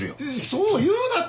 そう言うなって。